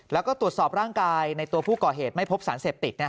แล้วก็ตรวจสอบร่างกายในตัวผู้ก่อเหตุไม่พบสารเสพติด